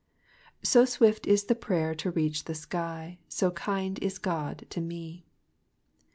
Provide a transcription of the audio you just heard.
" So swift is prayer to reach the sky, So kind is God to me."